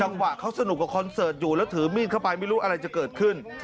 จังหวะเขาสนุกกับคอนเสิร์ตอยู่แล้วถือมีดเข้าไปไม่รู้อะไรจะเกิดขึ้น